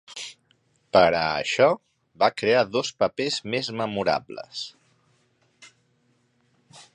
Per a això, va crear dos papers més memorables.